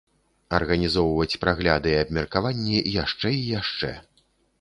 Арганізоўваць прагляды і абмеркаванні яшчэ і яшчэ.